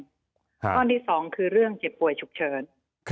ข้อที่๒คือเรื่องเจ็บป่วยฉุกเฉิน